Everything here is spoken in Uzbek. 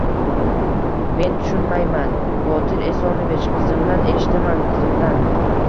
— Men tushunmayman, Botir Esonovich. Qizimdan eshitaman, qizimdan.